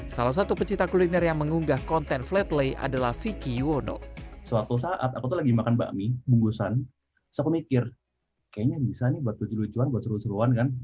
salah satu pencipta kuliner yang mengunggah konten flat lay adalah vicky yuono